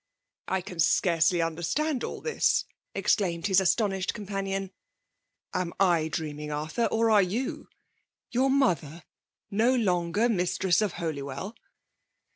*'" I can scarcely understand all this 1 " ex claimed his astonished companion. Am I dreaming, Arthur, or are you ? Yotir mother no longer mistress of Holywell